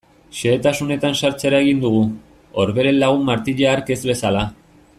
Xehetasunetan sartzera egin dugu, Orberen lagun Martija hark ez bezala.